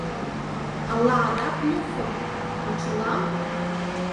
Ала адак люффым — мочылам?